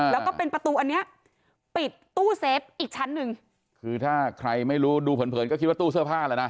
แล้วก็เป็นประตูอันเนี้ยปิดตู้เซฟอีกชั้นหนึ่งคือถ้าใครไม่รู้ดูเผินเผินก็คิดว่าตู้เสื้อผ้าแล้วนะ